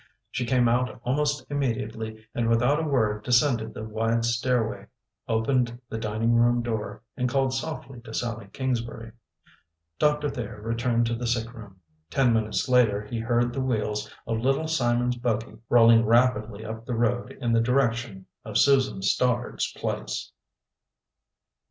She came out almost immediately and without a word descended the wide stairway, opened the dining room door, and called softly to Sallie Kingsbury. Doctor Thayer returned to the sick room. Ten minutes later he heard the wheels of Little Simon's buggy rolling rapidly up the road in the direction of Susan Stoddard's place.